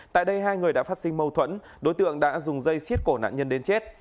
tại đây hai người đã phát sinh mâu thuẫn đối tượng đã dùng dây xiết cổ nạn nhân đến chết